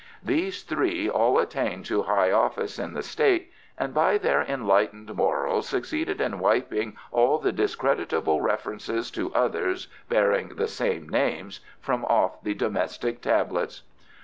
These three all attained to high office in the State, and by their enlightened morals succeeded in wiping all the discreditable references to others bearing the same names from off the domestic tablets.